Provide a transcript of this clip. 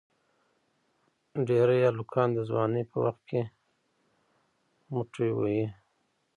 ډېری هلکان د ځوانی په وخت کې موټی وهي.